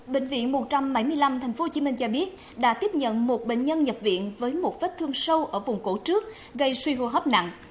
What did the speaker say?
bệnh viện một trăm bảy mươi năm tp hcm cho biết đã tiếp nhận một bệnh nhân nhập viện với một vết thương sâu ở vùng cổ trước gây suy hô hấp nặng